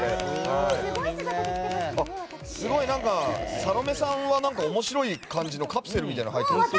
サロメさんは面白い感じのカプセルみたいなのに入ってますね。